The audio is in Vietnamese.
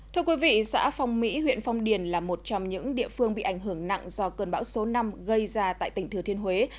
thưa quý vị xã phong mỹ huyện phong điền là một trong những địa phương bị ảnh hưởng nặng do cơn bão số năm gây ra tại tỉnh thừa thiên huế